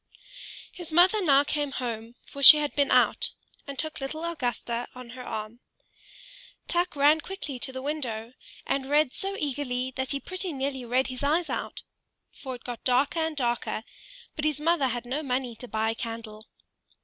His mother now came home, for she had been out, and took little Augusta on her arm. Tuk ran quickly to the window, and read so eagerly that he pretty nearly read his eyes out; for it got darker and darker, but his mother had no money to buy a candle.